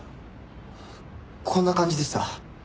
こんな感じでした。